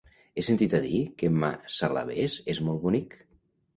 He sentit a dir que Massalavés és molt bonic.